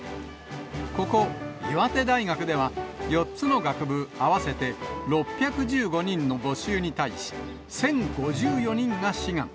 ここ、岩手大学では、４つの学部合わせて６１５人の募集に対し、１０５４人が志願。